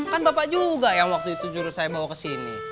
kan bapak juga yang waktu itu jurus saya bawa ke sini